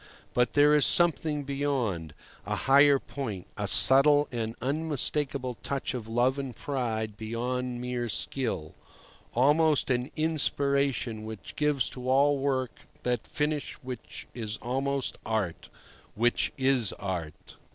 But there is something beyond—a higher point, a subtle and unmistakable touch of love and pride beyond mere skill; almost an inspiration which gives to all work that finish which is almost art—which is art.